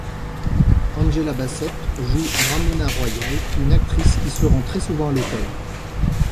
Angela Bassett joue Ramona Royale, une actrice qui se rend très souvent à l’hôtel.